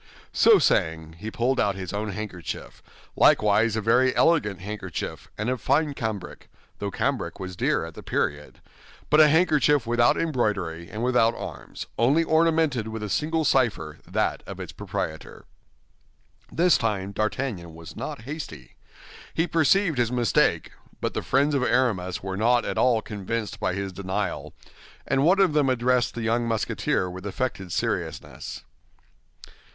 So saying, he pulled out his own handkerchief, likewise a very elegant handkerchief, and of fine cambric—though cambric was dear at the period—but a handkerchief without embroidery and without arms, only ornamented with a single cipher, that of its proprietor. This time D'Artagnan was not hasty. He perceived his mistake; but the friends of Aramis were not at all convinced by his denial, and one of them addressed the young Musketeer with affected seriousness.